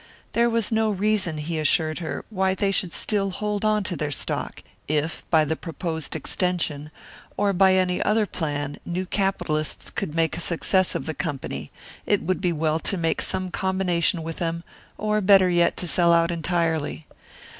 There was no reason, he assured her, why they should still hold on to their stock; if, by the proposed extension, or by any other plan, new capitalists could make a success of the company, it would be well to make some combination with them, or, better yet, to sell out entirely.